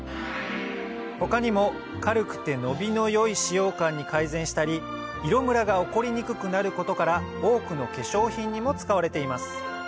他にも軽くて伸びの良い使用感に改善したり色むらが起こりにくくなることから多くの化粧品にも使われています